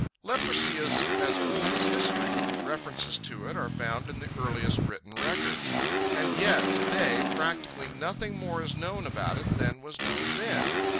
Leprosy is as old as history. References to it are found in the earliest written records. And yet to day practically nothing more is known about it than was known then.